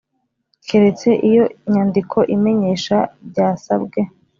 keretse iyo nyandiko imenyesha byasabwe